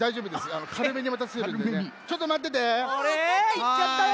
いっちゃったよ